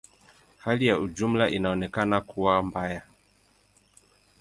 Hali kwa ujumla inaonekana kuwa mbaya.